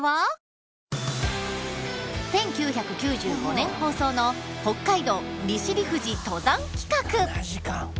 １９９５年放送の北海道利尻富士登山企画！